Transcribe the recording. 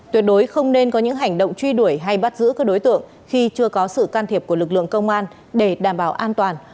tuyệt đối không nên có những hành động truy đuổi hay bắt giữ các đối tượng khi chưa có sự can thiệp của lực lượng công an để đảm bảo an toàn